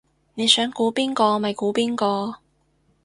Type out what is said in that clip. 你想估邊個咪估邊個